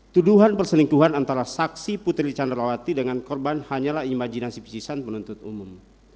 tuduhan perselingkuhan antara saksi putri candrawati dengan korban hanyalah imajinasi pesisan penuntut umum